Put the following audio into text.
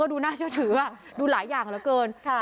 ดูน่าเชื่อถือดูหลายอย่างเหลือเกิน